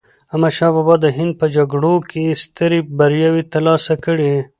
احمد شاه بابا د هند په جګړو کې یې سترې بریاوې ترلاسه کړې.